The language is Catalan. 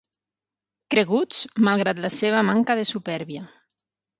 Creguts, malgrat la seva manca de supèrbia.